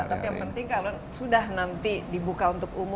tapi yang penting kalau sudah nanti dibuka untuk umum